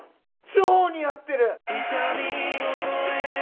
超似合ってる！